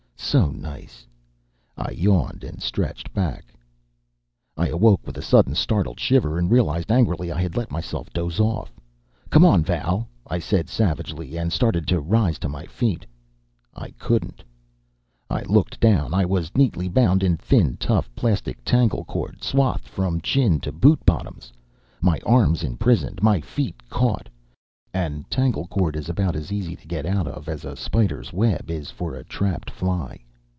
So nice. I yawned, and stretched back. I awoke with a sudden startled shiver, and realized angrily I had let myself doze off. "Come on, Val," I said savagely, and started to rise to my feet. I couldn't. I looked down. I was neatly bound in thin, tough, plastic tangle cord, swathed from chin to boot bottoms, my arms imprisoned, my feet caught. And tangle cord is about as easy to get out of as a spider's web is for a trapped fly.